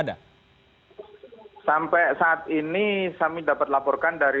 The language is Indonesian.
yang kelima ini aku dapat laporkan dari